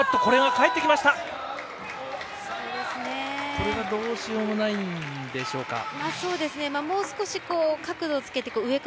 これはどうしようもないんでしょうか。